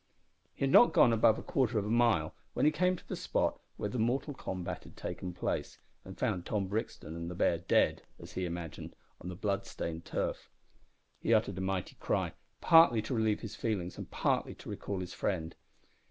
He had not gone above a quarter of a mile when he came to the spot where the mortal combat had taken place, and found Tom Brixton and the bear dead as he imagined on the blood stained turf. He uttered a mighty cry, partly to relieve his feelings and partly to recall his friend.